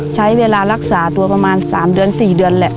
ใช้เวลารักษาตัวประมาณ๓เดือน๔เดือนแหละ